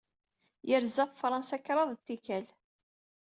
Yerza ɣef Fṛansa kraḍ tikkal.